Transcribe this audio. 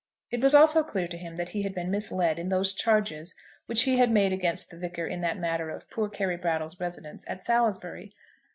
It was also clear to him that he had been misled in those charges which he had made against the Vicar in that matter of poor Carry Brattle's residence at Salisbury.